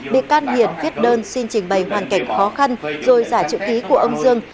bị can hiền viết đơn xin trình bày hoàn cảnh khó khăn rồi giả trực ý của ông dương